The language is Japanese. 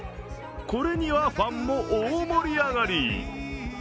これには、ファンも大盛り上がり。